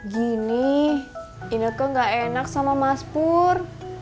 gini indeke gak enak sama mas pur